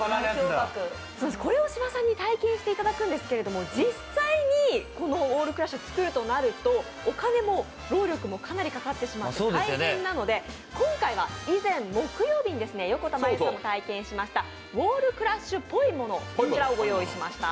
これを芝さんに体験していただくんですけど、実際に、このウォールクラッシュ作るとなるとお金も労力もかなり大変なので今回は以前、木曜日に横田真悠さんが体験しました、ウォールクラッシュっぽいもの、こちらをご用意しました。